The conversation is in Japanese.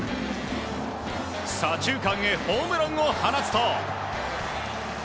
左中間へホームランを放つと。